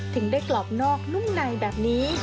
ถึงได้กรอบนอกนุ่มในแบบนี้